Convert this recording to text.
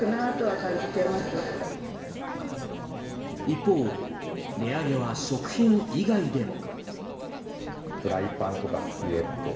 一方、値上げは食品以外でも。